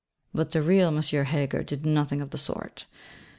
But the real M. Heger did nothing of the sort.